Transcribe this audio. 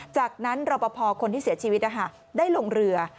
จากนั้นรอปภคนที่เสียชีวิตได้ลงเรือ